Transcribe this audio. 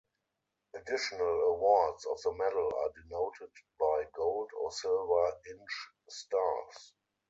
Additional awards of the medal are denoted by gold or silver inch stars.